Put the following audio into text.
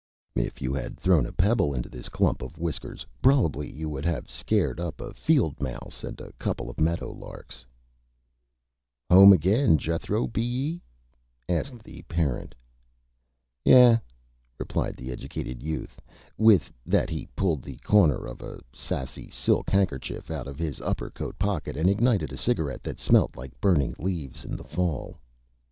If you had thrown a Pebble into this Clump of Whiskers probably you would have scared up a Field Mouse and a couple of Meadow Larks. "Home agin, Jethro, be ye?" asked the Parent. [Illustration: JETHRO] "Yeh," replied the Educated Youth. With that he pulled the Corner of a Sassy Silk Handkerchief out of his upper Coat Pocket and ignited a Cigarette that smelt like Burning Leaves in the Fall.